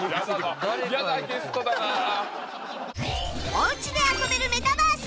お家で遊べるメタバース